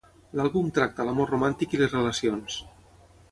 L'àlbum tracta l'amor romàntic i les relacions.